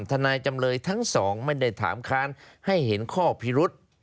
จำเลยทั้งสองไม่ได้ถามค้านให้เห็นข้อพิรุษ